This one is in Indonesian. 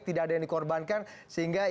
tidak ada yang dikorbankan sehingga